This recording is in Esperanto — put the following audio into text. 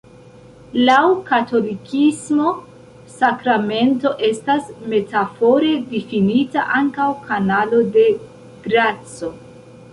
Laŭ katolikismo, sakramento estas metafore difinita ankaŭ "kanalo de graco".